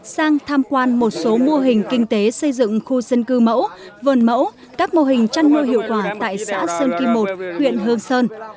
sang tham quan một số mô hình kinh tế xây dựng khu dân cư mẫu vườn mẫu các mô hình chăn nuôi hiệu quả tại xã sơn kim một huyện hương sơn